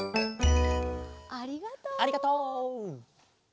ありがとう。